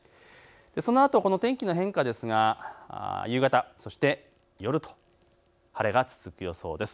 そのあと天気の変化ですが夕方、そして夜と晴れが続く予想です。